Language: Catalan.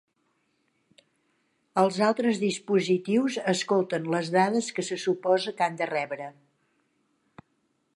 Els altres dispositius escolten les dades que se suposa que han de rebre.